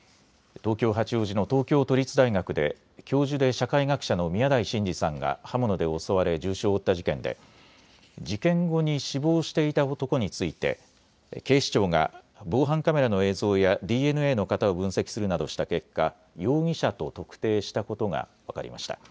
東京八王子の東京都立大学で教授で社会学者の宮台真司さんが刃物で襲われ重傷を負った事件で事件後に死亡していた男について警視庁が防犯カメラの映像やＤＮＡの型を分析するなどした結果、容疑者と特定したことが分かりました。